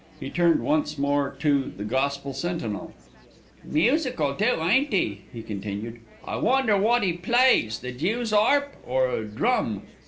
He turned once more to The Gospel Sentinel. "Musical, too, ain't 'e," he continued. "I wonder wot 'e plays, the jews' 'arp or a drum?